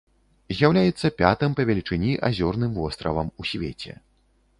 З'яўляецца пятым па велічыні азёрным востравам у свеце.